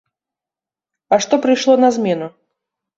А што прыйшло на змену?